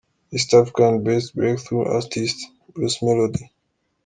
East Africa Best Breakthrough Artist Bruce Melodie.